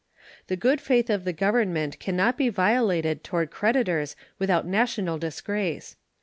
The good faith of the Government can not be violated toward creditors without national disgrace.